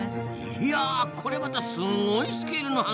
いやこりゃまたすごいスケールの話ですな。